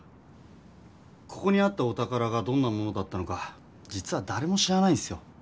ここにあったお宝がどんなものだったのか実はだれも知らないんすよ。